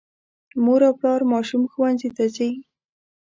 مور او پلار ماشوم ښوونځي ته ځي.